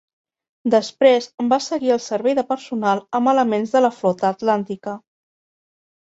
Després va seguir el servei de personal amb elements de la Flota Atlàntica.